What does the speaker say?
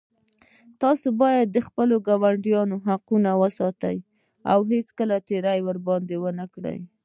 تاسو باید د خپلو ګاونډیانو حقونه وساتئ او هېڅکله تېری ورباندې ونه کړئ